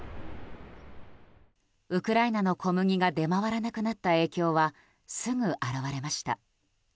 ウクライナの小麦が出回らなくなった影響はすぐ表れました。